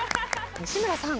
西村さん